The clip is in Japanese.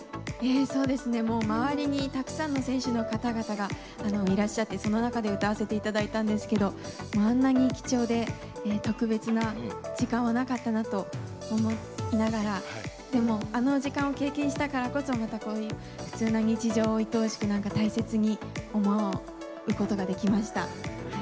周りにたくさんの選手の方々がいらっしゃってその中で歌わせていただいたんですけどあんなに貴重で特別な時間はなかったなと思いながらでも、あの時間を経験したからこそ普通の日常をいとおしく、大切に思うことができました。